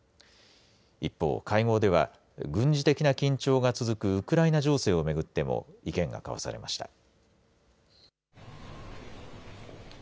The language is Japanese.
一方、会合では軍事的な緊張が続くウクライナ情勢を巡っても意見が交わされました。